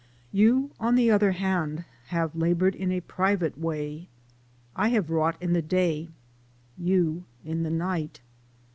You on the other hand have labored in a private way; I have wrought in the day you in the night.